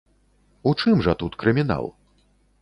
У чым жа тут крымінал?